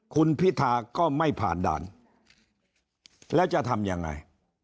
คุณพิธาก็ไม่ผ่านด่านแล้วจะทำยังไง